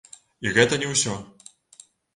І гэта не ўсё.